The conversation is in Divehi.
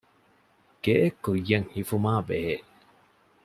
ގެއެއްކުއްޔަށް ހިފުމާބެހޭ